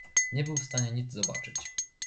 "Nie był w stanie nic zobaczyć."